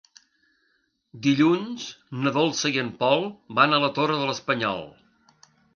Dilluns na Dolça i en Pol van a la Torre de l'Espanyol.